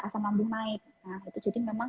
asam lambung naik nah itu jadi memang